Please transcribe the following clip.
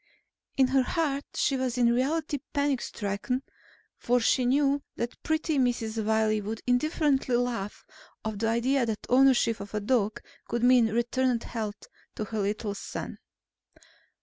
In her heart she was in reality panic stricken for she knew that pretty Mrs. Wiley would indifferently laugh off the idea that ownership of a dog could mean returned health to her little son.